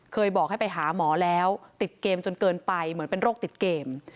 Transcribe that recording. บอกให้ไปหาหมอแล้วติดเกมจนเกินไปเหมือนเป็นโรคติดเกม